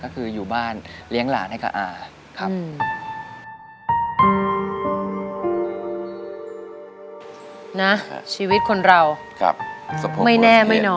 ก็คืออยู่บ้านเลี้ยงหลานให้กับอาครับ